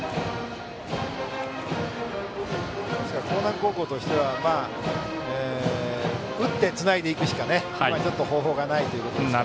興南高校としては打ってつないでいくしか方法がないということですね。